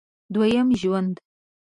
دوه یم ژوند